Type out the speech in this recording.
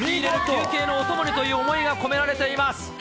休憩のお供にという思いが込められています。